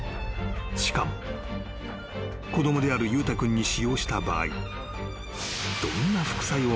［しかも子供である裕太君に使用した場合］